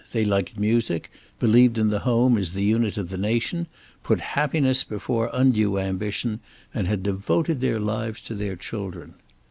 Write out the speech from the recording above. They liked music, believed in the home as the unit of the nation, put happiness before undue ambition, and had devoted their lives to their children.